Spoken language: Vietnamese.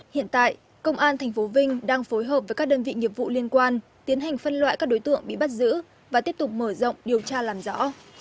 hiện tại công an tp vinh đang phối hợp với các đơn vị nghiệp vụ liên quan tiến hành phân loại các đối tượng bị bắt giữ và tiếp tục mở rộng điều tra làm rõ